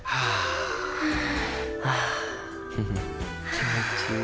気持ちいい。